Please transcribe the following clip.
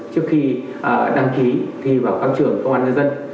trước khi đăng ký thi vào các trường công an nhân dân